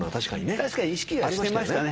確かに意識はしてましたね。